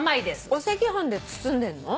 お赤飯で包んでんの？